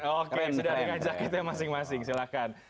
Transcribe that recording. oke sudah ada yang ngajak kita masing masing silahkan